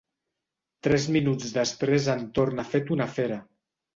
Tres minuts després en torna fet una fera.